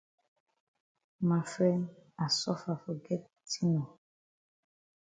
Ma fren I suffer for get di tin oo.